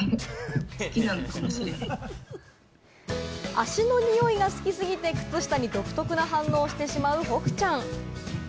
足のにおいが好きすぎて、靴下に独特な反応をしてしまう、ほくちゃん。